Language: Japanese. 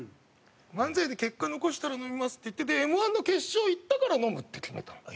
「漫才で結果残したら飲みます」って言ってでＭ−１の決勝行ったから飲むって決めたの。